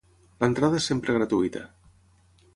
L'entrada és sempre gratuïta.